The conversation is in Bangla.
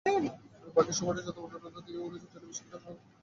বাকি সময়টা যতবার রোনালদোর দিকে ঘুরেছে টেলিভিশন ক্যামেরা, একটাই দৃশ্য চোখে পড়েছে।